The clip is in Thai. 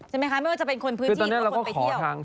ไม่ว่าจะเป็นคนพื้นที่หรือคนไปเที่ยว